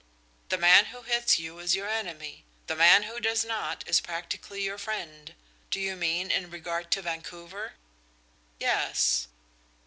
The man who hits you is your enemy. The man who does not is practically your friend. Do you mean in regard to Vancouver?" "Yes."